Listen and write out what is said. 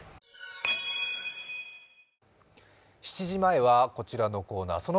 ７時前はこちらのコーナー